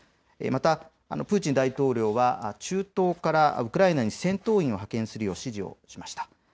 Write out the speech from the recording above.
またプーチン大統領は中東からウクライナに戦闘員を派遣するよう指示をしました。